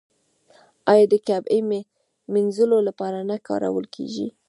آیا د کعبې مینځلو لپاره نه کارول کیږي؟